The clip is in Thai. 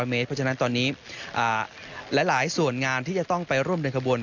เมตรเพราะฉะนั้นตอนนี้หลายส่วนงานที่จะต้องไปร่วมเดินขบวน